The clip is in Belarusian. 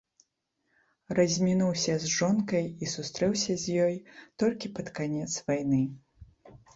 Размінуўся з жонкай і сустрэўся з ёй толькі пад канец вайны.